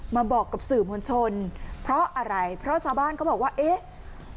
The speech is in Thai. มาบอกกับสื่อมวลชนเพราะอะไรเพราะชาวบ้านเขาบอกว่าเอ๊ะ